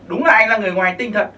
đúng là anh là người ngoài hành tinh thật